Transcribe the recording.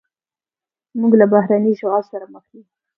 موږ له بهرني اشغال سره مخ یو.